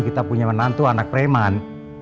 kita punya menantu anak preman